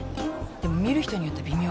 でも見る人によって微妙かな。